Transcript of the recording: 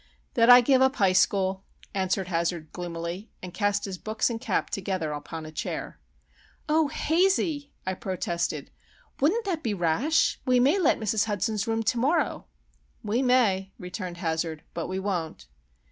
"That I give up High School," answered Hazard gloomily, and cast his books and cap together upon a chair. "Oh, Hazey!" I protested. "Wouldn't that be rash? We may let Mrs. Hudson's room to morrow." "We may," returned Hazard, "but we won't."